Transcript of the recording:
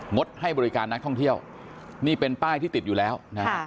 ดให้บริการนักท่องเที่ยวนี่เป็นป้ายที่ติดอยู่แล้วนะฮะ